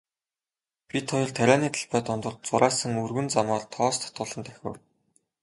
Бид хоёр тарианы талбай дундуур зурайсан өргөн замаар тоос татуулан давхив.